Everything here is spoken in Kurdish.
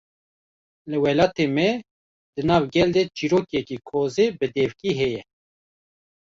Li welatê me, di nav gel de çîrokeke kozê bi devkî heye